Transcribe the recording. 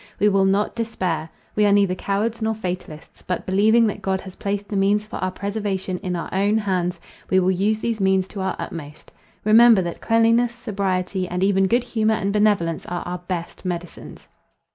We will not despair. We are neither cowards nor fatalists; but, believing that God has placed the means for our preservation in our own hands, we will use those means to our utmost. Remember that cleanliness, sobriety, and even good humour and benevolence, are our best medicines."